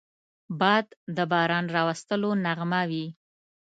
باد د باران راوستلو نغمه وي